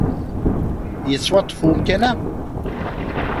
Yettwaṭṭef umkan-a?